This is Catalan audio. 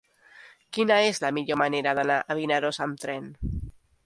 Quina és la millor manera d'anar a Vinaròs amb tren?